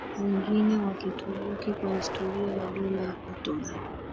wengine wa Kituruki kwa historia ya Dola ya Ottoman